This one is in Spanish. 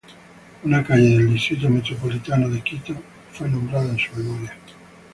Una calle del Distrito Metropolitano de Quito fue nombrada en su memoria.